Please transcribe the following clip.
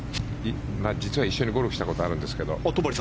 実は一緒にゴルフしたことがあるんですけど。